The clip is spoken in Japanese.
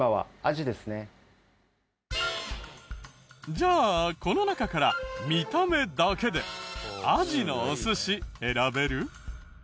じゃあこの中から見た目だけでアジのお寿司選べる？